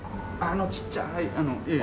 あのちっちゃいええ。